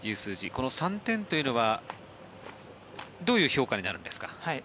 この３点というのはどういう評価になるんですか。